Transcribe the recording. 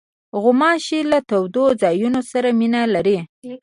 غوماشې له تودو ځایونو سره مینه لري.